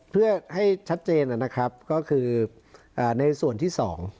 เพื่อให้ชัดเจนนะครับก็คือในส่วนที่สอง